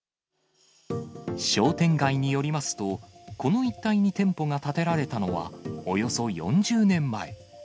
商店街によりますと、この一帯に店舗が建てられたのは、およそ４０年前。